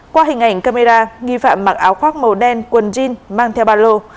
qua hình ảnh camera nghi phạm mặc áo khoác màu đen quần jean mang theo ba lô